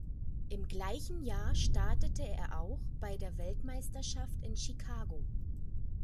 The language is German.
Im gleichen Jahr startete er auch bei der Weltmeisterschaft in Chicago.